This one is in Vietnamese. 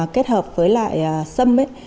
kết hợp với sâm